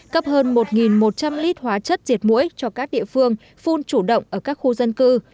cấp hơn một một trăm linh lít hóa chất diệt mũi cho các địa phương phun chủ động ở các khu dân cư